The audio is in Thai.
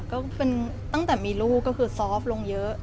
ก็เป็นตั้งแต่มีลูกก็คือซอฟต์ลงเยอะ